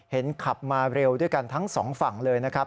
เห็นขับมาเร็วด้วยกันทั้งสองฝั่งเลยนะครับ